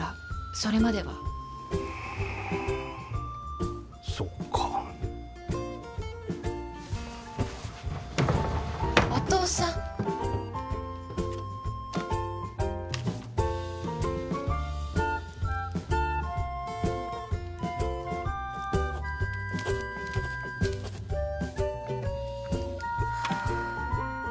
それまではそうかお父さんはあ